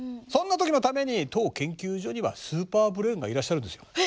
そんなときのために当研究所にはスーパーブレーンがいらっしゃるんですよ。